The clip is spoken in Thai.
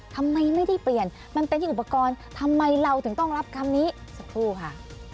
ทำไมไม่ได้เปลี่ยนมันเป็นที่อุปกรณ์ทำไมเราถึงต้องรับคำนี้สักครู่ค่ะ